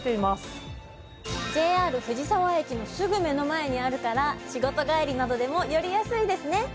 ＪＲ藤沢駅のすぐ目の前にあるから仕事帰りなどでも寄りやすいですね。